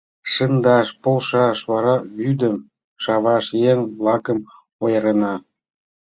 Шындаш полшаш, вара вӱдым шаваш еҥ-влакым ойырена.